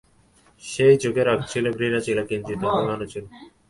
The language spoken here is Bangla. সেই চোখে রাগ ছিল, ঘৃণা ছিল, কিঞ্চিৎ অভিমানও ছিল।